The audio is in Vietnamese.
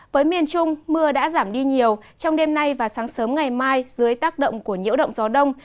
với miền trung mưa đã giảm đi nhiều trong đêm nay và sáng sớm ngày mai dưới tác động của nhiễu động gió đông